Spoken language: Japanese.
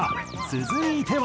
続いては。